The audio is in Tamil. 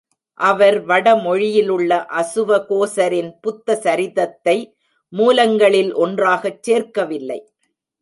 அவர் வடமொழியிலுள்ள அசுவகோசரின் புத்த சரிதத்தை மூலங்களில் ஒன்றாகச் சேர்க்கவில்லை.